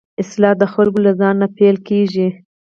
اصلاح د خلکو له ځان نه پيل کېږي.